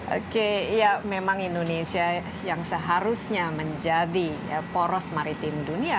oke ya memang indonesia yang seharusnya menjadi poros maritim dunia